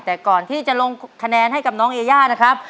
แต่ก่อนที่จะลงคะแนนให้กับน้องเอย่านะครับ